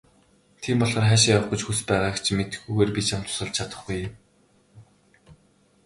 Тийм болохоор хаашаа явах гэж хүс байгааг чинь мэдэхгүйгээр би чамд тусалж чадахгүй.